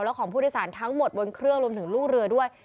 และของผู้โดยสารทั้งหมดบนเครื่องรวมถึงลูกเรือด้วย